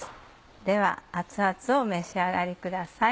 では熱々をお召し上がりください。